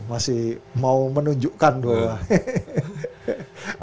masih mau menunjukkan doang